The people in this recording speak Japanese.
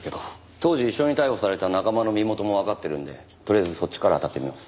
当時一緒に逮捕された仲間の身元もわかってるんでとりあえずそっちからあたってみます。